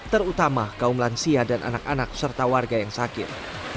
terutama kaum lansia dan anak anak serta warga yang sakit